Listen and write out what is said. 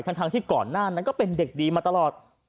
ทั้งที่ก่อนหน้านั้นก็เป็นเด็กดีมาตลอด